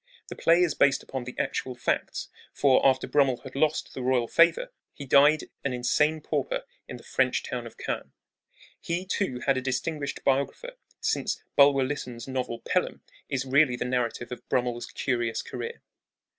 The play is based upon the actual facts; for after Brummel had lost the royal favor he died an insane pauper in the French town of Caen. He, too, had a distinguished biographer, since Bulwer Lytton's novel Pelham is really the narrative of Brummel's curious career.